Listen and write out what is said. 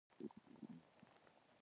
په سالنګ کې تل واوره وي.